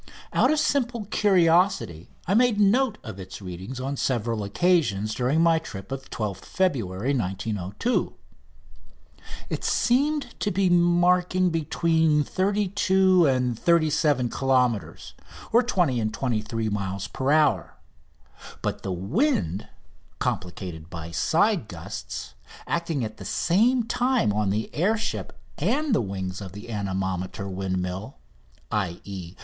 Out of simple curiosity I made note of its readings on several occasions during my trip of 12th February 1902. It seemed to be marking between 32 and 37 kilometres (20 and 23 miles) per hour; but the wind, complicated by side gusts, acting at the same time on the air ship and the wings of the anemometer windmill _i.e.